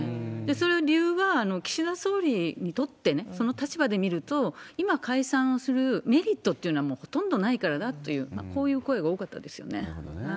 それは、理由は岸田総理にとってね、その立場で見ると、今、解散するメリットっていうのはほとんどないからだという、こういなるほどね。